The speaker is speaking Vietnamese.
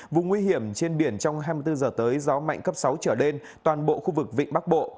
vùng nguy hiểm trên biển trong hai mươi bốn h tới gió mạnh cấp sáu trở lên toàn bộ khu vực vịnh bắc bộ